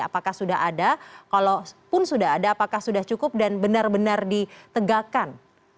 apakah sudah ada kalaupun sudah ada apakah sudah cukup dan benar benar ditegakkan